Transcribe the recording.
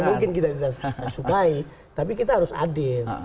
walaupun dokter itu orang yang mungkin kita tidak suka tapi kita harus adil